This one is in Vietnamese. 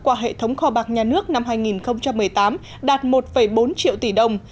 qua hệ thống kho bạc nhà nước năm hai nghìn một mươi tám đạt một bốn triệu tỷ đồng